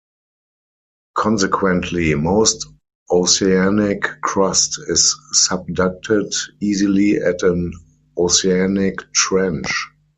Consequently, most oceanic crust is subducted easily at an oceanic trench.